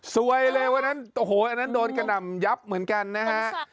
สวยเลยวันนั้นโอ้โหอันนั้นโดนกระหน่ำยับเหมือนกันนะฮะ